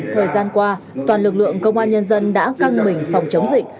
thời gian qua toàn lực lượng công an nhân dân đã căng mình phòng chống dịch